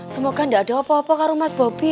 semoga gak ada apa apa karo mas bobi